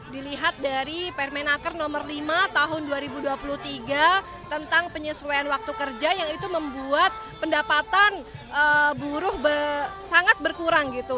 dilihat dari permenaker nomor lima tahun dua ribu dua puluh tiga tentang penyesuaian waktu kerja yang itu membuat pendapatan buruh sangat berkurang gitu